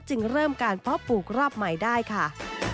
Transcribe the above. จึงเริ่มการเพาะปลูกรอบใหม่ได้ค่ะ